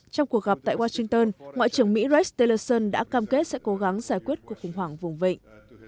trong cuộc gặp tại washington ngoại trưởng mỹ rece teleson đã cam kết sẽ cố gắng giải quyết cuộc khủng hoảng vùng vịnh